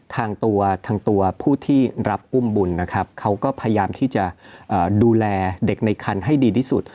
ตัวทางตัวผู้ที่รับอุ้มบุญนะครับเขาก็พยายามที่จะดูแลเด็กในคันให้ดีที่สุด